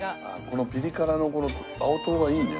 このピリ辛の青唐がいいね。